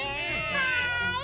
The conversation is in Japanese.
はい！